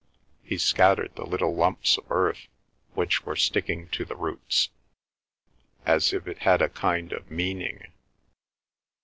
He scattered the little lumps of earth which were sticking to the roots—"As if it had a kind of meaning.